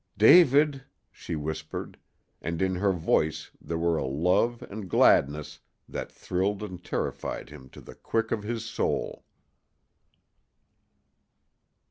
"David!" she whispered; and in her voice there were a love and gladness that thrilled and terrified him to the quick of his soul.